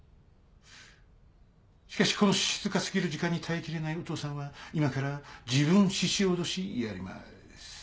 しかしこの静か過ぎる時間に耐えきれないお父さんは今から自分鹿威しやります。